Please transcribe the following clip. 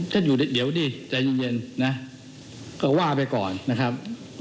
ท่านอยู่เดี๋ยวดิใจเย็นนะก็ว่าไปก่อนนะครับ